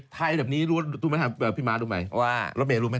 ถ่ายแบบนี้พี่ม้าดูใหม่แล้วเมรุนทำไม